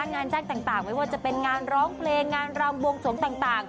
งานแจ้งต่างไม่ว่าจะเป็นงานร้องเพลงงานรำบวงสวงต่าง